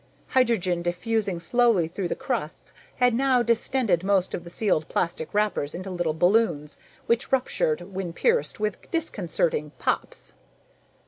Hydrogen diffusing slowly through the crusts had now distended most of the sealed plastic wrappers into little balloons, which ruptured, when pierced, with disconcerting pops.